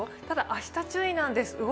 ただ明日、注意なんです。